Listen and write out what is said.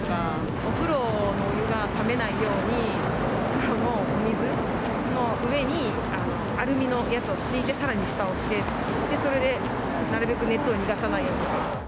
お風呂のお湯が冷めないように、その水の上にアルミのやつを敷いて、さらにふたをして、それでなるべく熱を逃がさないように。